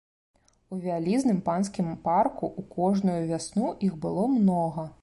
У вялізным панскім парку ў кожную вясну іх было многа.